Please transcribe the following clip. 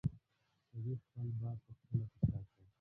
سړي خپل بار پخپله په شا کړ.